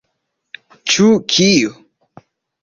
Ĉu kio?